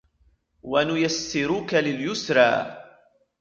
وَنُيَسِّرُكَ لِلْيُسْرَىٰ